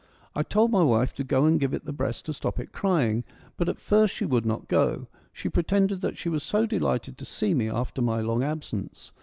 I told my wife to go and give it the breast to stop it crying, but at first she would not go : she pretended that she was so delighted to see me after my long absence.